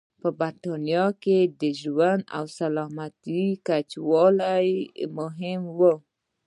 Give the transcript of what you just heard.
په برېټانیا کې د ژوند او سلامتیا کچې لوړول مهم و.